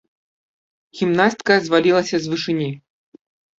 Гімнастка звалілася з вышыні.